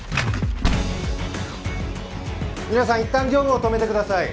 皆さんいったん業務を止めてください。